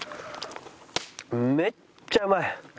めっちゃうまい！